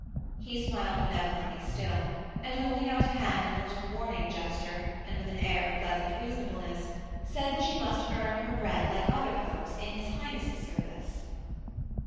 He smiled benevolently still, and holding out a hand in a little warning gesture and with an air of pleasant reasonableness, said that she must earn her bread like other folks in his Highness' service.